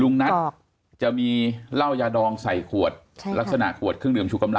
นัทจะมีเหล้ายาดองใส่ขวดลักษณะขวดเครื่องดื่มชูกำลัง